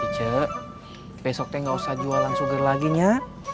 ice besok teh gak usah jualan sugar lagi nya